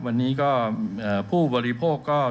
วันนี้ก็ผู้บริโภคก็